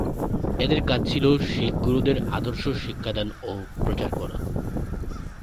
এঁদের কাজ ছিল শিখ গুরুদের আদর্শ শিক্ষাদান ও প্রচার করা।